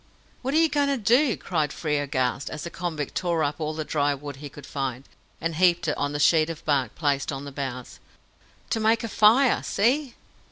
"What are you going to do?" cried Frere, aghast, as the convict tore up all the dry wood he could find, and heaped it on the sheet of bark placed on the bows. "To make a fire! See!"